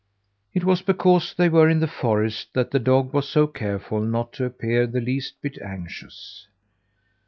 It was because they were in the forest that the dog was so careful not to appear the least bit anxious.